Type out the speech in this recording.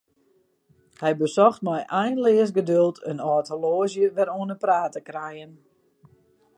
Hy besocht mei einleas geduld in âld horloazje wer oan 'e praat te krijen.